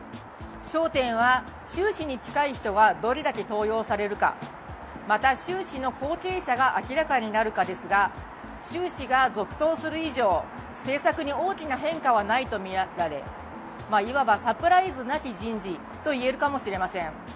焦点は習氏に近い人がどれだけ登用されるか、また、習氏の後継者が明らかになるかですが習氏が続投する以上政策に大きな変化はないとみられいわばサプライズなき人事と言えるかもしれません。